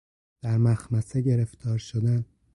در مخمصه گرفتار شدن